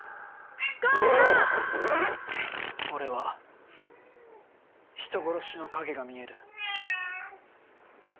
俺は人殺しの影が見える。